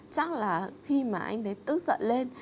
chắc là khi mà anh ấy tức giận lên